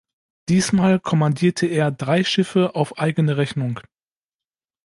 Diesmal kommandierte er drei Schiffe auf eigene Rechnung.